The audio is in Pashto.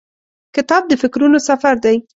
کتاب د فکرونو سفر دی.